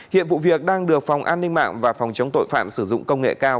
hiện vụ việc đang được phòng an ninh mạng và phòng chống tội phạm sử dụng công nghệ cao